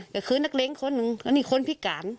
ก็คือนักเลงคนหนึ่งแล้วนี่คนพิการ